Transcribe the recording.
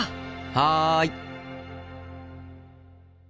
はい。